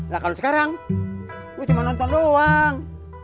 nah kalau sekarang gue cuma nonton doang